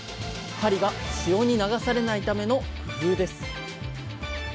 針が潮に流されないための工夫です